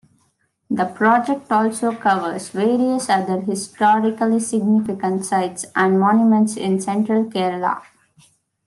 The project also covers various other historically significant sites and monuments in central Kerala.